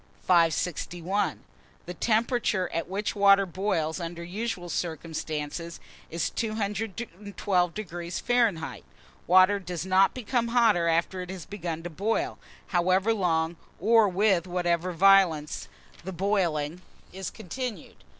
561. THE TEMPERATURE AT WHICH WATER BOILS, under usual circumstances, is 212° Fahr. Water does not become hotter after it has begun to boil, however long or with whatever violence the boiling is continued.